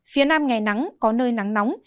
phía nam ngày nắng có nơi nắng nóng